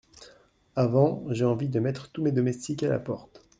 Avant, j’ai envie de mettre tous mes domestiques à la porte !…